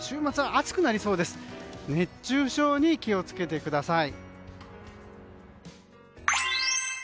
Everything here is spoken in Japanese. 熱中症に気をつけてください。